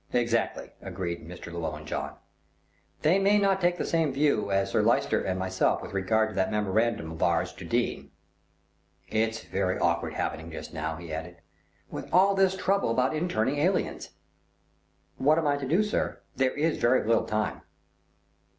"Exactly," agreed Mr. Llewellyn John. "They may not take the same view as Sir Lyster and myself with regard to that memorandum of ours to Dene. It's very awkward happening just now," he added, "with all this trouble about interning aliens." "What am I to do, sir? There is very little time."